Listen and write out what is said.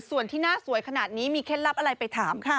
ส่วนที่หน้าสวยขนาดนี้มีเคล็ดลับอะไรไปถามค่ะ